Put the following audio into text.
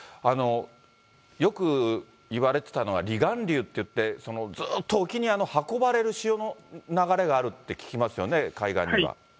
よく言われてたのは、離岸流っていって、ずーっと沖に運ばれる潮の流れがあるって聞きますよね、海岸には。